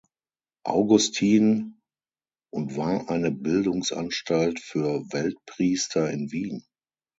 Augustin und war eine Bildungsanstalt für Weltpriester in Wien.